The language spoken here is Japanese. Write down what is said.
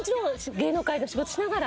芸能界の仕事しながら。